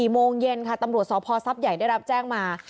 โมงเย็นค่ะตำรวจสพท์ใหญ่ได้รับแจ้งมา